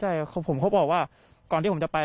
ใช่ผมเขาบอกว่าก่อนที่ผมจะไป